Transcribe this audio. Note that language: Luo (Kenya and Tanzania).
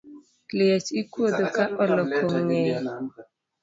Liech ikuodho ka oloko ngeye